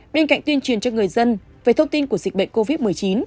bên cạnh tuyên truyền cho người dân về thông tin của dịch bệnh covid một mươi chín